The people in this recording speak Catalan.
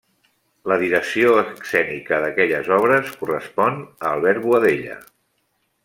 La direcció escènica d'aquelles obres correspon a Albert Boadella.